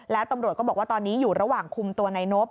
แล้วตำรวจก็บอกว่าตอนนี้อยู่ระหว่างคุมตัวนายนบ